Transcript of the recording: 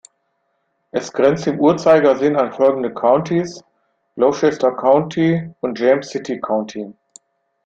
Es grenzt im Uhrzeigersinn an folgende Countys: Gloucester County und James City County.